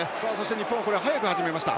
日本、早く始めました。